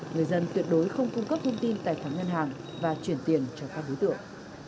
người dân tuyệt đối không cung cấp thông tin tài khoản ngân hàng và chuyển tiền cho các đối tượng